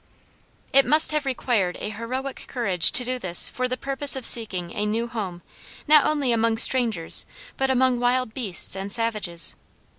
It must have required a heroic courage to do this for the purpose of seeking a new home, not only among strangers, but among wild beasts and savages.